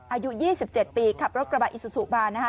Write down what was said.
อายุ๒๗ปีขับรถกระบะอิซูซูมานะคะ